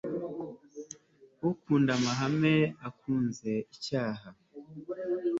ukunda amahane aba akunze icyaha